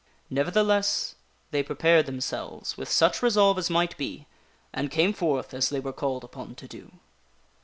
Nevertheless, they prepared themselves with such resolve as might be, and came forth as they were called upon to do.